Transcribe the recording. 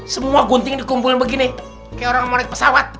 semua gunting dikumpulin begini kayak orang mau naik pesawat